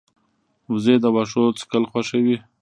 وزې د واښو څکل خوښوي